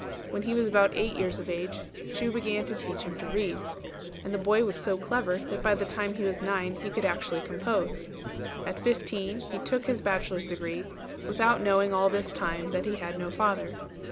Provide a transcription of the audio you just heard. When he was about eight years of age, Chu began to teach him to read; and the boy was so clever that by the time he was nine he could actually compose. At fifteen he took his bachelor's degree, without knowing all this time that he had no father.